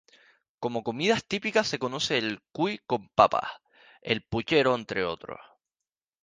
Como comidas típicas se conoce el cuy con papas, el "puchero" entre otros.